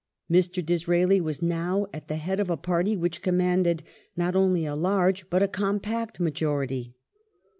Mr. Disraeli was now at the head of a party which commanded not only a large but a compact majority.